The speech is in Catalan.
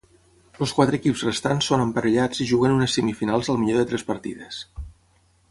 Els quatre equips restants són emparellats i juguen unes semifinals al millor de tres partides.